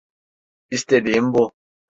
İstediğim bu.